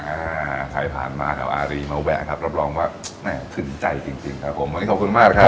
อ่าถ่ายผ่านมาครับอารีมาแวะครับรับรองว่าแน่น่ะถึงใจจริงครับผมวันนี้ขอบคุณมากครับ